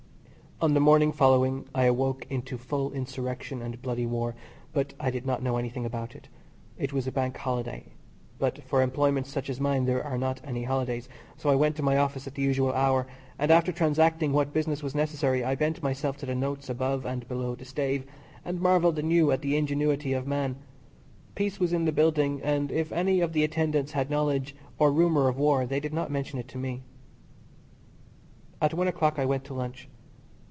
On the morning following I awoke into full insurrection and bloody war, but I did not know anything about it. It was Bank Holiday, but for employments such as mine there are not any holidays, so I went to my office at the usual hour, and after transacting what business was necessary I bent myself to the notes above and below the stave, and marvelled anew at the ingenuity of man. Peace was in the building, and if any of the attendants had knowledge or rumour of war they did not mention it to me. At one o'clock I went to lunch.